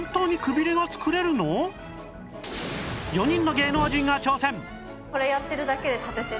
４人の芸能人が挑戦！